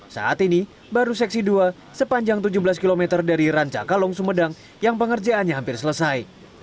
saat ini baru seksi dua sepanjang tujuh belas km dari rancakalong sumedang yang pengerjaannya hampir selesai